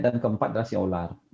dan keempat adalah siu ular